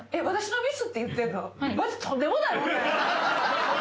私のミスって言ってんの？